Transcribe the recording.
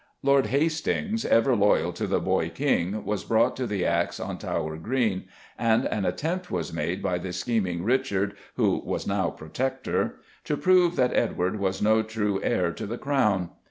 Lord Hastings, over loyal to the boy King was brought to the axe on Tower Green, and an attempt was made by the scheming Richard, who was now Protector, to prove that Edward was no true heir to the Crown.